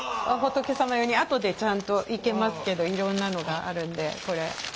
あとでちゃんと生けますけどいろんなのがあるんでこれ。